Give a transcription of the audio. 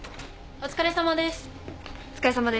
お疲れさまです。